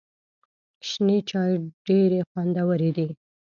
شنې چای ډېري خوندوري دي .